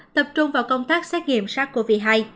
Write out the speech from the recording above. tập trung vào công tác xét nghiệm sars cov hai